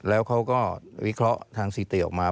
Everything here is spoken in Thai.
แล้วเขาก็วิเคราะห์ทางสิเตะออกมา